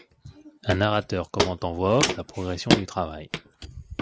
Un narrateur commente en voix off la progression du travail.